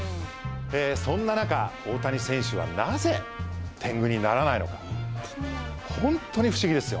そんな中大谷選手はなぜ天狗にならないのかホントに不思議ですよ